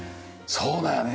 そうだよね